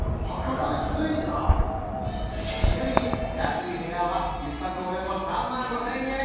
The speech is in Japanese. ちなみに安い部屋は１泊およそ３万５０００円